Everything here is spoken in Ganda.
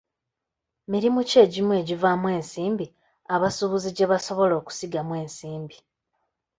Mirimu ki egimu egivaamu ensimbi abasuubuzi gye basobola okusigamu ensimbi.